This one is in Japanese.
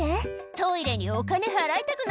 トイレにお金払いたくないわ」